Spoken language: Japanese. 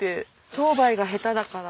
商売が下手だから。